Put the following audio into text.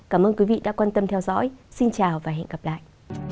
cảm ơn quý vị đã quan tâm theo dõi xin chào và hẹn gặp lại